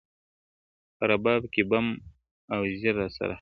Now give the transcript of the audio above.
په رباب کي بم او زیر را سره خاندي,